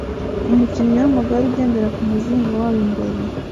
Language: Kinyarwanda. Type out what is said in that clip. Umukinnyi wamagare ugendera kumuzinga wabo imbere